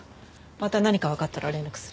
また何かわかったら連絡する。